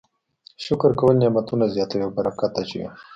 شکر کول نعمتونه زیاتوي او برکت اچوي.